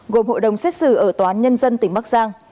gồm hội đồng xét xử ở tòa án nhân dân tỉnh bắc giang